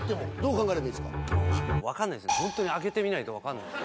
ホントに開けてみないと分かんないです。